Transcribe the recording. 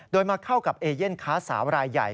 โดยมาเข้ากับเอเย่นค้าสาวรายใหญ่